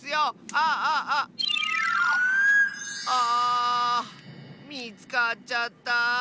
あみつかっちゃった！